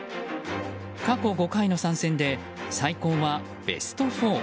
過去５回の参戦で最高はベスト４。